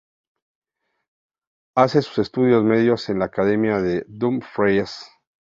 Hace sus estudios medios en la "Academia de Dumfries".